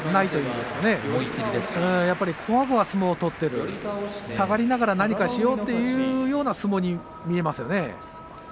こわごわ相撲を取っている下がりながら何かしようというような相撲に見えますよね。